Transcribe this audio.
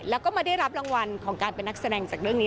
แล้วก็มาได้รับรางวัลของการเป็นนักแสดงจากเรื่องนี้